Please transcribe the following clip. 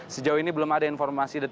sejauh ini belum ada informasi